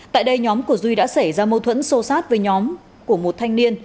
tại đây nhóm của duy đã xảy ra mâu thuẫn sâu sát với nhóm của một thanh niên